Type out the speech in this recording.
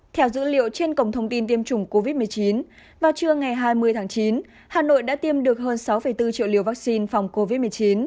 theo dữ liệu trên cổng thông tin tiêm chủng covid một mươi chín vào trưa ngày hai mươi tháng chín hà nội đã tiêm được hơn sáu bốn triệu liều vaccine phòng covid một mươi chín